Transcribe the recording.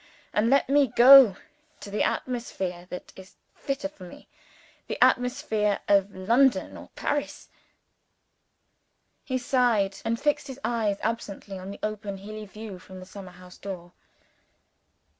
And let me go to the atmosphere that is fitter for me the atmosphere of London or Paris." He sighed, and fixed his eyes absently on the open hilly view from the summer house door.